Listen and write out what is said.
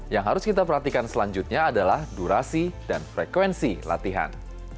yang harus kita perhatikan selanjutnya adalah durasi dan frekuensi latihan